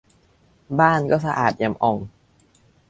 บ้านก็สะอาดเอี่ยมอ่อง